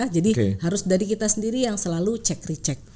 jadi harus dari kita sendiri yang selalu cek recek